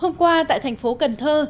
hôm qua tại thành phố cần thơ